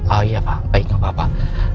oh iya pak baiklah pak